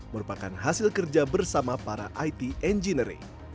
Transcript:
merupakan hasil kerja bersama para it engineering